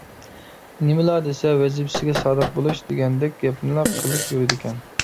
نېمىلا دېسە ‹ ‹ۋەزىپىسىگە سادىق بولۇش› › دېگەندەك گەپنىلا قىلىپ يۈرىدىكەن.